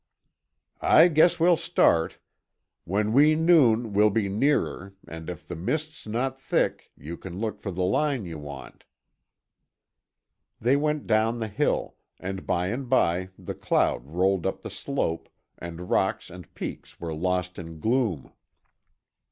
"I guess we'll start. When we noon we'll be nearer, and if the mist's not thick, you can look for the line you want." They went down the hill, and by and by the cloud rolled up the slope, and rocks and peaks were lost in gloom.